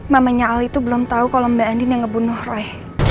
mamanya al itu belum tau kalo mba andin yang ngebunuh roy